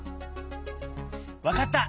わかった！